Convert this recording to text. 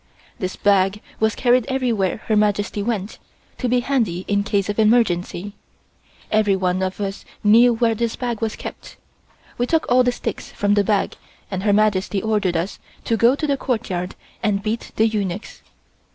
This bag was carried everywhere Her Majesty went, to be handy in case of emergency. Everyone of us knew where this bag was kept. We took all the sticks from the bag and Her Majesty ordered us to go to the courtyard and beat the eunuchs.